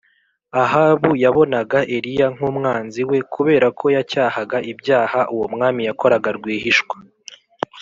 ahabu yabonaga eliya nk’umwanzi we kubera ko yacyahaga ibyaha uwo mwami yakoraga rwihishwa